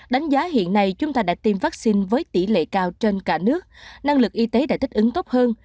đánh giá hiện nay chúng ta đã tiêm vaccine với tỷ lệ cao trên cả nước năng lực y tế đã thích ứng tốt hơn